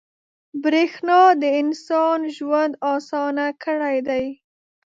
• برېښنا د انسان ژوند اسانه کړی دی.